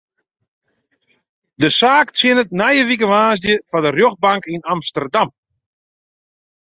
De saak tsjinnet nije wike woansdei foar de rjochtbank yn Amsterdam.